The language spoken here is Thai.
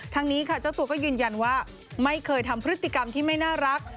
นี้ค่ะเจ้าตัวก็ยืนยันว่าไม่เคยทำพฤติกรรมที่ไม่น่ารัก